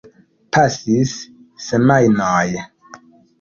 Pasis semajnoj.